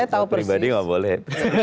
kalau pribadi nggak boleh